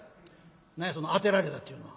「何やその『当てられた』っちゅうのは。